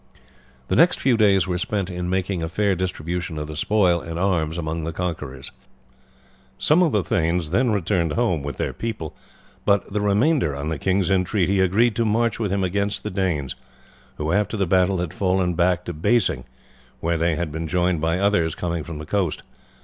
The next few days were spent in making a fair distribution of the spoil and arms among the conquerors. Some of the thanes then returned home with their people; but the remainder, on the king's entreaty, agreed to march with him against the Danes, who after the battle had fallen back to Basing, where they had been joined by others coming from the coast.